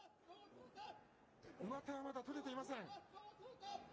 上手はまだ取れていません。